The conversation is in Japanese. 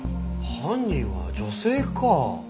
犯人は女性か。